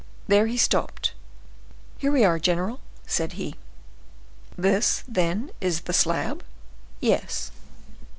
There he stopped. "Here we are, general," said he. "This, then, is the slab?" "Yes."